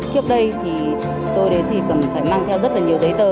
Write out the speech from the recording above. trước đây thì tôi đến thì cần phải mang theo rất là nhiều giấy tờ